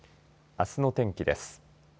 あすの天気です。